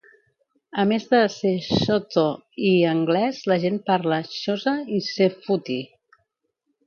A més de "sesotho" i anglès, la gent parla "xhosa" i "sephuthi".